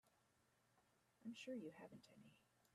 I'm sure you haven't any.